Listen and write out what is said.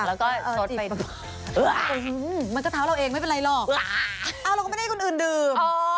แล้วก็มันก็เท้าเราเองไม่เป็นไรหรอกเราก็ไม่ได้ให้คนอื่นดื่ม